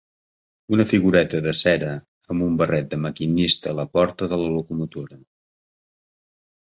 Una figureta de cera amb un barret de maquinista a la porta de la locomotora.